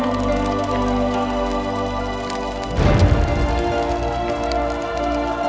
ya tuhan dinda tidak percaya kakak anda gampang menempatkan kakak ini